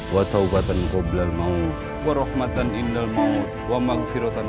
kalau begitu kamu masih adek supereguan